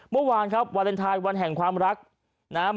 เมื่อวานครับวาเลนไทยวันแห่งความรักนะครับ